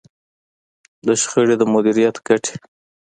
د شخړې د مديريت ګټې.